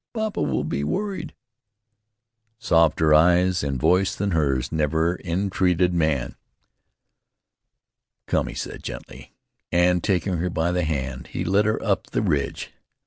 Papa will be worried." Softer eyes and voice than hers never entreated man. "Come," he said gently, and, taking her by the hand, he led her up the ridge.